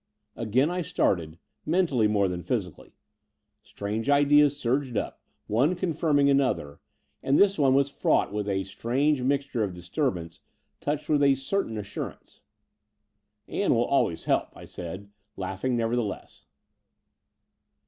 Again I started, mentally more than physical ly. Strange ideas surged up, one confirming an other: and this one was fraught with a strange mixture of disturbance, touched with a certain assurance. "Ann will always help," I said, laughing never theless.